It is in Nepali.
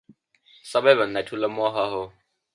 सबै भन्दा ठूलो मोह हो ।